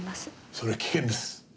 それは危険です。